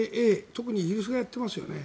特にイギリスがやってますよね。